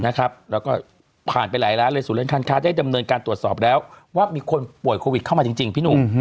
แล้วก็ผ่านไปหลายร้านเลยศูนย์การค้าได้ดำเนินการตรวจสอบแล้วว่ามีคนป่วยโควิดเข้ามาจริงพี่หนุ่ม